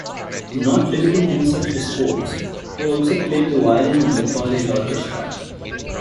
Not limiting himself to sports, he also played the violin in the college orchestra.